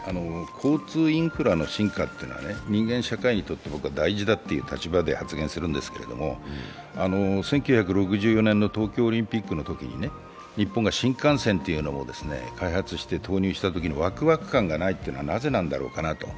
交通インフラの進化というのは、人間社会にとって僕は大事だという立場で発言するんですけけど１９６４年の東京オリンピックのときに、日本が新幹線というのを開発して投入したときのワクワク感がないというのはなぜなんだろうかなと。